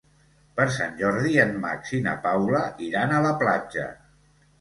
Per Sant Jordi en Max i na Paula iran a la platja.